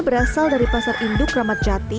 berasal dari pasar induk ramadjati